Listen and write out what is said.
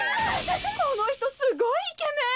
・このひとすごいイケメン！